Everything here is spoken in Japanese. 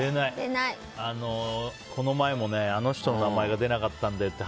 この前も、あの人の名前が出なかったんだよって